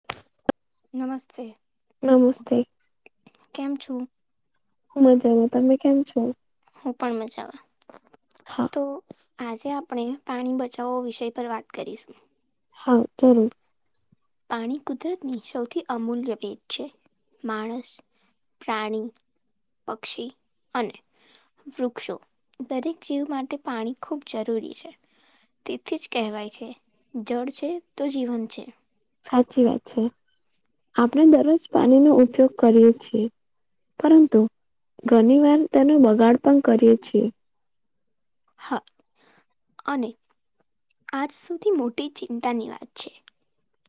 [unintelligible] નમસ્તે નમસ્તે કેમ છો? મજામાં તમે કેમ છો? હું પણ મજામાં હા તો આજે આપણે પાણી બચાવો વિષય પર વાત કરીશું હા જરૂર પાણી કુદરતની સૌથી અમૂલ્ય ભેટ છે માણસ પ્રાણી, પક્ષી અને વૃક્ષો દરેક જીવ માટે પાણી ખૂબ જરૂરી છે. તેથી જ કહેવાય છે જળ છે તો જીવન છે સાચી વાત છે આપણે દરરોજ પાણીનો ઉપયોગ કરીએ છીએ પરંતુ ઘણી વાર તેનો બગાડ પણ કરીએ છીએ હા અને આજ સૌથી મોટી ચિંતાની વાત છે.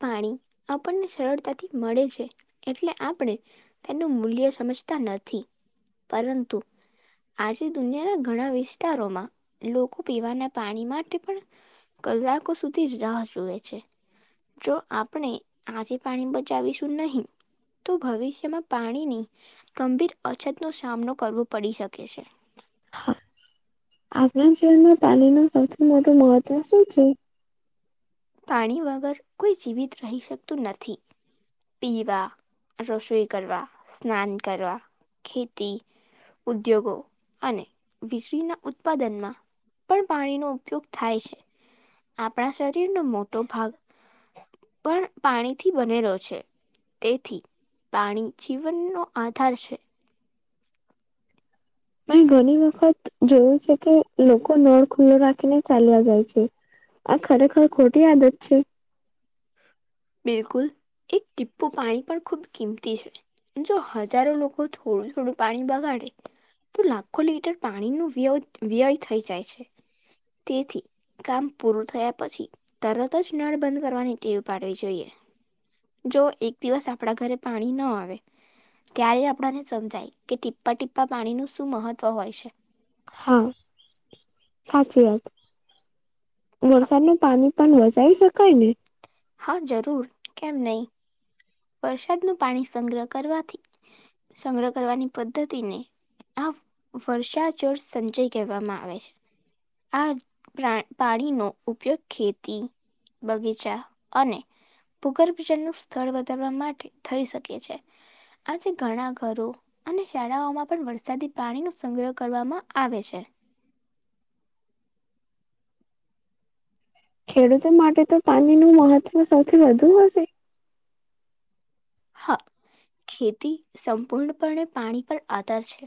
પાણી આપણને સરળતાથી છે એટલે આપણે તેનું મૂલ્ય સમજતા નથી. પરંતુ આજે દુનિયાના ઘણા વિસ્તારોમાં લોકો પીવાના પાણી માટે પણ કલાકો સુધી જ રાહ જોવે છે જો આપણે આજે પાણી બચાવીશું નહીં તો ભવિષ્યમાં પાણીની ગંભીર અછત નો સામનો કરવો પડી શકે છે. હા આપણા જીવનમાં પાણી નું સૌથી મોટું મહત્વ શું છે? પાણી વગર કોઈ જીવિત રહી શકતું નથી પીવા, રસોઈ કરવા, સ્નાન કરવા, ખેતી, ઉદ્યોગો અને વીજળીના ઉત્પાદનમાં પણ પાણીનો ઉપયોગ થાય છે આપણા શરીરનો મોટો ભાગ પણ પાણીથી બનેલો છે. તેથી પાણી જીવનનો આધાર છે. મે ઘણી વખત જોયું છે કે લોકો નળ ખુલ્લો રાખીને ચાલ્યા જાય છે. આ ખરેખર ખોટી આદત છે. બિલકુલ, એક ટીપ્પુ પાણી પણ ખૂબ કિંમતી છે. જો હજારો લોકો થોડું થોડું પાણી બગાડે તો લાખો લીટર પાણી નુ વયો વ્યય થઈ જાય છે. તેથી કામ પૂરું થયા પછી તરત જ નળ બંધ કરવાની ટેવ પાડવી જોઈએ જો એક દિવસ આપડા ઘરે પાણી નો આવે ત્યારે આપણને સમજાય કે ટીપ્પા ટીપ્પા પાણીનું શું મહત્વ હોય છે. હા સાચી વાત હા વરસાદની પાણી પણ બચાવી શકાય ને. હા જરૂર કેમ નહી વરસાદનું પાણી સંગ્રહ કરવાથી સંગ્રહ કરવાની પદ્ધતિને આ વર્ષાચોળ સંચય કહેવામાં આવે છે. આ પ્રા પાણીનો ઉપયોગ ખેતી, બગીચા અને ભૂગર્ભ જળનું સ્થળ વધારવા માટે થઈ શકે છે. આજે ઘણા ઘરો અને શાળાઓમાં પણ વરસાદી પાણીનો સંગ્રહ કરવામાં આવે છે. ખેડૂતો માટે તો પાણીનું મહત્વ સૌથી વધુ હશે. હા ખેતી સંપૂર્ણપણે પાણી પર આધાર છે.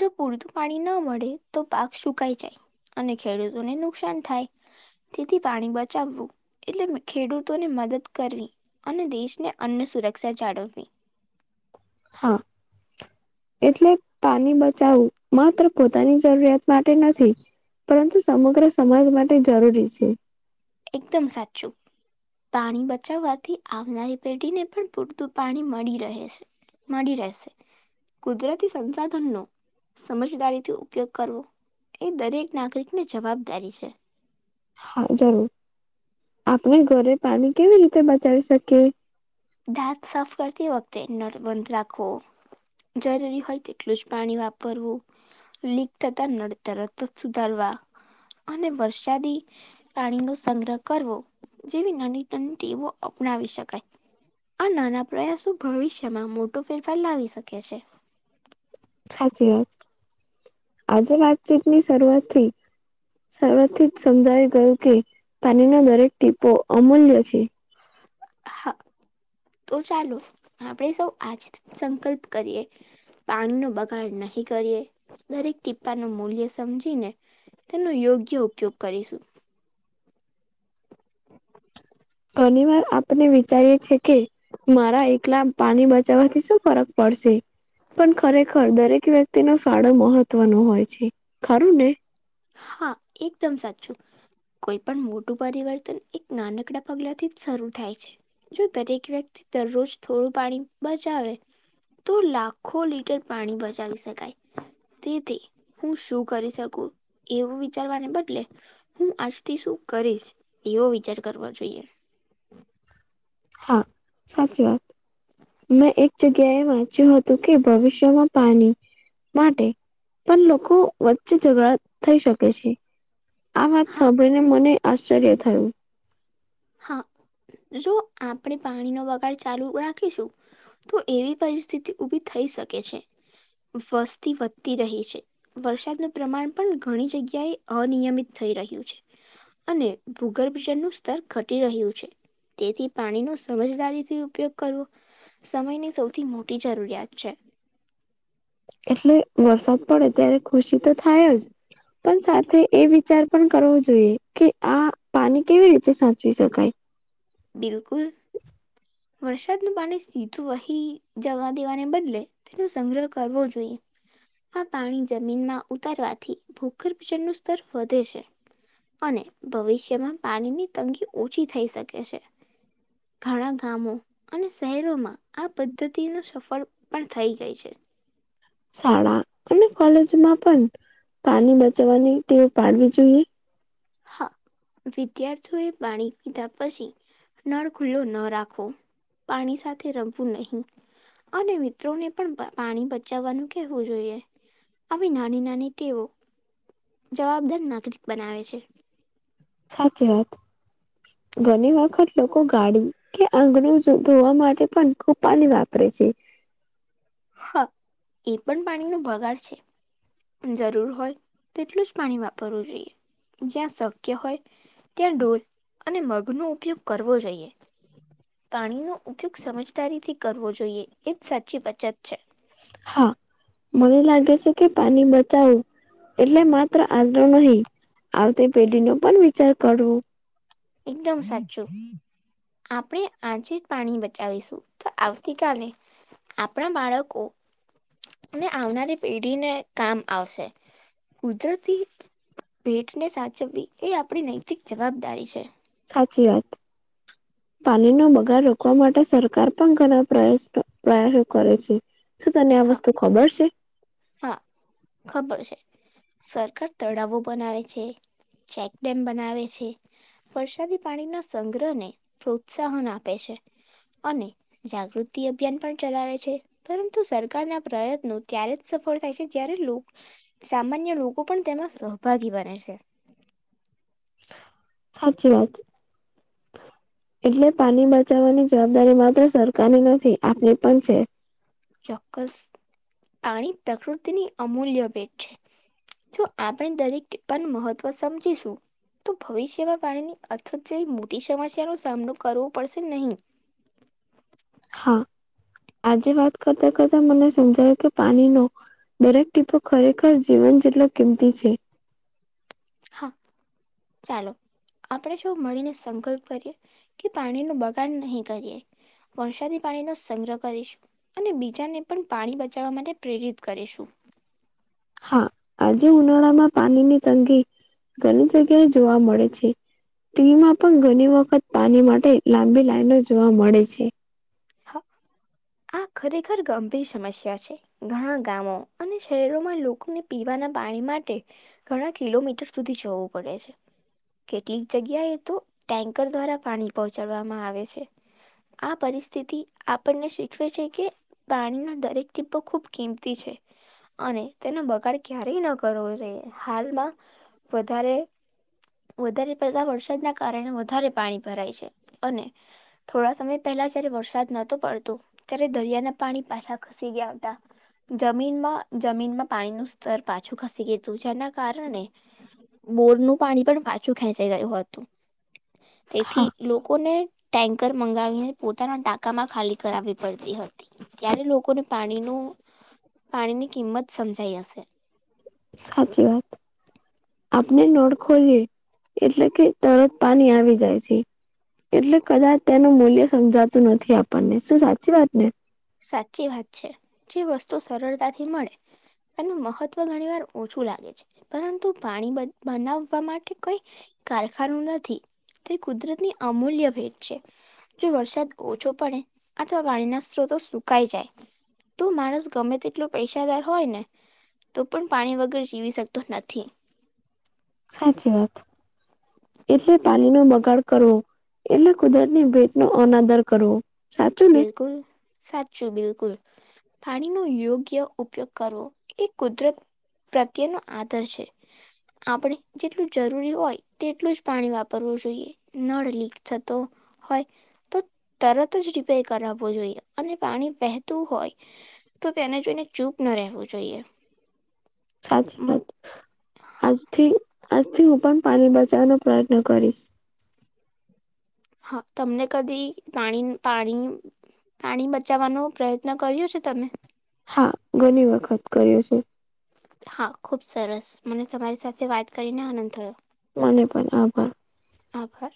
જો પૂરતું પાણી ન મળે તો પાક સુકાઈ જાય. અને ખેડૂતોને નુકસાન થાય તેથી પાણી બચાવવું એટલે ખેડૂતોને મદદ કરવી અને દેશને અન્ન સુરક્ષા જાળવવી હા. એટલે પાણી બચાવું માત્ર પોતાની જરૂરિયાત માટે નથી પરંતુ સમગ્ર સમાજ માટે જરૂરી છે. એકદમ સાચું પાણી બચાવવાથી આવનારી પેઢીને પણ પૂરતું પાણી મળી રહે છે. મળી રહશે. કુદરતી સંસાધન નુ સમજદારીથી ઉપયોગ કરવું એ દરેક નાગરિકને જવાબદારી છે. હા જરૂર આપણે ઘરે પાણી કેવી રીતે બચાવી શકીએ. દાંત સાફ કરતી વખતે નળ બંધ રાખો જરૂરી હોય તેટલું જ પાણી વાપરવું. લીક થતા નળ તરત સુધારવા અને વરસાદી પાણીનો સંગ્રહ કરવો જેવી નાની નાની ટેવો અપનાવી શકાય. આ નાના પ્રયાસો ભવિષ્યમાં મોટો ફેરફાર લાવી શકે છે. સાચી વાત આજે વાતચીતની શરૂઆત થી શરૂઆતથી જ સમજાવી ગયું કે પાણીનો દરેક ટીપો અમૂલ્ય છે. હા તો ચાલો આપણેે સૌ આજથી સંકલ્પ કરીએ પાણીનો બગાડ નહી કરીએ દરેક ટીપાનો મૂલ્ય સમજીને તેનો યોગ્ય ઉપયોગ કરીશું. ઘણી વાર આપને વિચારીએ છે કે મારા એકલા પાણી બચાવવાથી શું ફરક પડશે. પણ ખરેખર દરેક વ્યક્તિનો ફાળો મહત્વનો હોય છે. ખરું ને હા એકદમ સાચું કોઈ પણ મોટું પરિવર્તન એક નાનકડા પગલા થી જ શરૂ થાય છે. જો દરેક વ્યક્તિ દરરોજ થોડું પાણી બચાવે તો લાખો લીટર પાણી બચાવી શકાય. તેથી હું શું કરી શકું એવું વિચારવાને બદલે હું આજથી શું કરીશ એવો વિચાર કરવો જોઈએ. હા સાચી વાત મેં એક જગ્યાએ વાંચ્યું હતું કે ભવિષ્યમાં પાણી માટે પણ લોકો વચ્ચે ઝઘડા થઈ શકે છે. આ વાત હા સાંભળીને મને આશ્ચર્ય થયું. હા જો આપણેે પાણી નો બગાડ ચાલુ રાખીશું. તો એવી પરિસ્થિતિ ઉભી થઈ શકે છે વસ્તી વધતી રહી છે. વરસાદનું પ્રમાણ પણ ઘણી જગ્યાએ અનિયમિત થઈ રહ્યું છે. અને ભૂગર્ભજનનું સ્તર ઘટી રહ્યું છે તેથી પાણીનો સમજદારીથી ઉપયોગ કરવો સમયની સૌથી મોટી જરૂરિયાત છે. એટલે વરસાદ પડે ત્યારે ખુશી તો થાય જ પણ સાથે એ વિચાર પણ કરવો જોઈએ કે આ પાને કેવી રીતે સાચવી શકાય. બિલકુલ વરસાદ નું પાણી સીધું વહી જવા દેવાને બદલે તેનો સંગ્રહ કરવો જોઈએ. આ પાણી જમીનમાં ઉતારવાથી ભૂગર્ભ જળનું સ્તર વધે છે. અને ભવિષ્યમાં પાણીની તંગી ઓછી થઈ શકે છે. ઘણા ગામો અને શહેરોમાં આ પદ્ધતિ ન સફળ પણ થઈ ગઈ છે. શાળા અને કોલેજમાં પણ પાણી બચવાની ટેવ પાડવી જોઈએ. હા વિદ્યાર્થીઓ એ પાણી પીધા પછી નળ ખુલ્લો ન રાખો પાણી સાથે રમવું નહિં. અને મિત્રોને પણ પાણી બચાવવાનું કેહેવું જોઈએ. આવી નાની નાની ટેવો જવાબદાર નાગરિક બનાવે છે. સાચી વાત ઘણી વખત લોકો ગાડી કે આંગણું ધોવા માટે પણ ખૂબ પાાની વાપરે છે. હા એ પણ પાણીનો ભગાડ છે. જરૂર હોય તેટલું જ પાણી વાપરવું જોઈએ જ્યાં શક્ય હોય ત્યાં ડૉલ અને મગનો ઉપયોગ કરવો જોઈએ. પાણીનો ઉપયોગ સમજદારીથી કરવો જોઈએ એજ સાચી બચત છે. હા. મને લાગે છે કે પાણી બચાવો એટલે માત્ર આજનો નહીં. આવ તી પેઢીનો પણ વિચાર કરવું એકદમ સાચું. આપણે આજે પાણી બચાવીશું તો આવતીકાલે આપણા બાળકો ને આવનારી પેઢીને કામ આવશે. કુદરતી ભેટને સાચવવી એ આપણી નૈતિક જવાબદારી છે. સાચી રાત પાણીનો બગાડ રોકવા માટે સરકાર પણ ઘણા પ્રયાસ પ્રયાસો કરે છે. શું તને આ હા વસ્તુ ખબર છે. હા ખબર છે. સરકાર તળાવો બનાવે છે ચેકડેમ બનાવે છે. વરસાદી પાણીના સંગ્રહ ને પ્રોત્સાહન આપે છે. અને જાગૃતિ અભિયાન પણ ચલાવે છે પરંતુ સરકારના પ્રયત્નો ત્યારે. સફળ થાય છે જ્યારે લો સામાન્ય લોકો પણ તેના સહભાગી બને છે. સાચી વાત. એટલે પાની બચાવવાની જવાબદારી માત્ર સરકારની નથી આપણી પણ છે. ચોક્કસ આણી પ્રક્રુતિની અમૂલ્ય ભેટ છે. જો આપણે દરેક પન મહત્વ સમજીશું. તો ભવિષ્યમાં પાણીની અથત જેવી મોટી સમસ્યા નો સામનો કરવો પડશે નહીં. હા આજે વાત કરતા કરતા મને સમજાયું કે પાનીનો. દરેક ટીપો ખરેખર જીવન જેટલો કિમતી છે. હા ચાલો. આપણે જો મળીને સંકલ્પ કરીએ કે પાણી નું બગાડ નહી કરીએ. વરસાદી પાણી નો સંગ્રહ કરીશું અને બીજાને પણ પાણી બચાવવા માટે પ્રેરિત કરીેશું. હા આજે ઉનાળામાં પાનીની તંગી ઘણી જગ્યાએ જોવા મળે છે. ત્રીમાં પણ ઘણી વખત પાની માટે લાંબી લાઈનો જોવા મળે છે આ ખરેખર ગંભીર સમસ્યા છે ઘણા ગામો અને શહેરોમાં લોકોને પીવાના પાણી માટે ઘણા કિલોમીટર સુધી જવું પડે છે. કેટલીક જગ્યાએ તો ટેન્કર દ્વારા પાણી પહોંચાડવામાં આવે છે. આ પરિસ્થિતિ આપણને [inaudible] છે કે પાણીનું દરેક ટીપું ખૂબ કિંમતી છે. અને તેનો બગાડ ક્યારેય ન કરવો જોઈએ હાલમાં વધારે વધારે પડતા વરસાદના કારણે વધારે પાણી ભરાય છે અને થોડા સમય પહેલા જયારે વરસાદ નહોતો પડતો, ત્યારે દરિયાના પાણી પાછા ખસી ગયા હતા જમીનમાં જમીનમાં પાણીનું સ્તર પાછું ખસી ગયું તું જેના કારણે બોરનું પાણી પણ પાછું ખેંચાઈ ગયું હતું. તેથી હા લોકોને ટેન્કર મંગાવીને પોતાના ટકામાં ખાલી કરાવ્યું પડતી હતી ત્યારે લોકોને પાણીનું પાણીની કિંમત સમજાઈ હશે સાચી વાત આપને નળ ખોલીએ એટલે કે તરત પાની આવી જાય છે એટલે કદાચ તેનું મૂલ્ય સમજાતું નથી. આપણને શું સાચી વાત ને? સાચી વાત છે જે વસ્તુ સરળતાથી મળે એનું મહત્વ ઘણી વાર ઓછું લાગે છે પરંતુ પાણી બનાવવા માટે કોઈ કારખાનું નથી તે કુદરત ની અમૂલ્ય ભેટ છે જો વરસાદ ઓછો પડે અથવા પાણીના સ્ત્રોતો સુકાઈ જાય તો માણસ ગમે તેટલો પૈસાદાર હોય ને તો પણ પાણી વગર જીવી શકતો નથી સાચી વાત એટલે પાણીનો બગાડ કરવો એટલે કુદરતની ભેટ નો અનાદર કરવો સાચું ને બિલકુલ સાચું બિલકુલ પાણીનો યોગ્ય ઉપયોગ કરવો એ કુદરત પ્રત્યેનો આદર છે. આપણે જેટલું જરૂરી હોય તેટલું જ પાણી વાપરવું જોઈએ. નળ લીક થતો હોય તો તરત જ રી પે કરાવવો જોઈએ અને પાણી વહેતું હોય તો તેને જોઈને ચૂપ ન રહેવું જોઈએ. સાચી મન વાત હા આજથી આજથી હું પણ પાણી બચાવવાનો પ્રયત્ન કરીશ. હ તમને કદી પાણી પાણી પાણી બચાવવાનો પ્રયત્ન કર્યો છે, તમે? હા ઘણી વખત કર્યો છે. હા ખુબ સરસ મને તમારી સાથે વાત કરીને આનંદ થયો. મને પણ આભા આભાર